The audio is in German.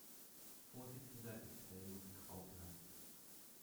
Vorsitzender ist Helmut Graupner.